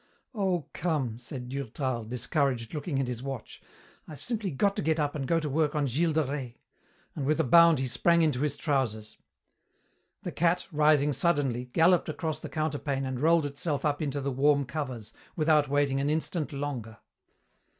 "Oh come," said Durtal, discouraged, looking at his watch, "I've simply got to get up and go to work on Gilles de Rais," and with a bound he sprang into his trousers. The cat, rising suddenly, galloped across the counterpane and rolled itself up into the warm covers, without waiting an instant longer.